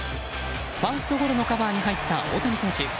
ファーストゴロのカバーに入った大谷選手。